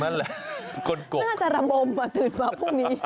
มันกล้าจะระบมตื่นมาพรุ่งนี้